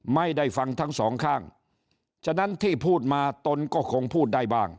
ไม่ได้ฟังทั้งสองข้างฉะนั้นที่พูดมาตนก็คงพูดได้บ้าง